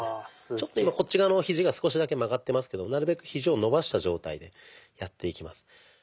ちょっと今こっち側のひじが少しだけ曲がってますけどなるべくひじを伸ばした状態でやっていきます。